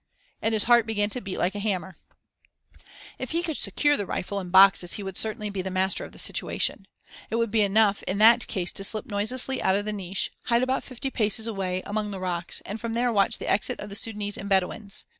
And his heart began to beat like a hammer. If he could secure the rifle and boxes he would certainly be the master of the situation. It would be enough in that case to slip noiselessly out of the niche, hide about fifty paces away, among the rocks, and from there watch the exit of the Sudânese and Bedouins.